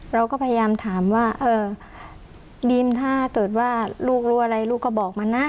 เราก็พยายามถามว่าเออบีมถ้าเกิดว่าลูกรู้อะไรลูกก็บอกมันนะ